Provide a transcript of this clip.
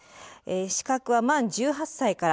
資格は満１８歳から。